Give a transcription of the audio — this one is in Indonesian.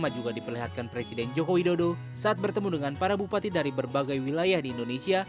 juga diperlihatkan presiden joko widodo saat bertemu dengan para bupati dari berbagai wilayah di indonesia